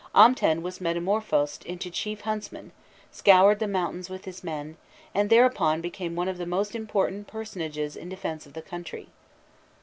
Amten was metamorphosed into Chief Huntsman, scoured the mountains with his men, and thereupon became one of the most important personages in the defence of the country.